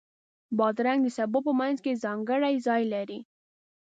بادرنګ د سبو په منځ کې ځانګړی ځای لري.